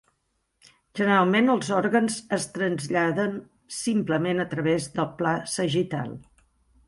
Generalment, els òrgans es traslladen simplement a través del pla sagital.